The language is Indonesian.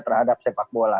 terhadap sepak bola